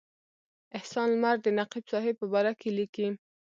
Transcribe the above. احسان لمر د نقیب صاحب په باره کې لیکي.